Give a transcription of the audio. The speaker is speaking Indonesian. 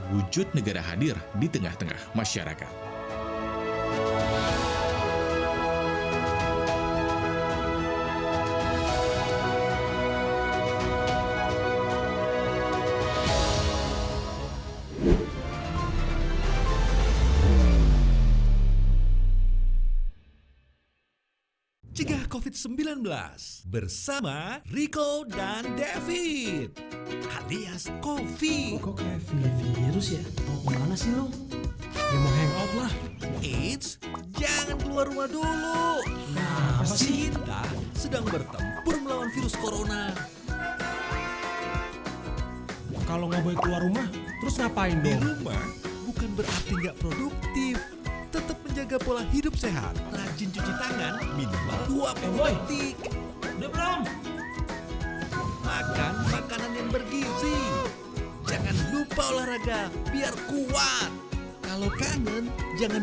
bukan hanya melakukan pengawalan proses pemangkaman